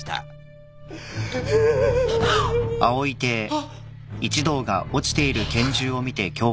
あっ！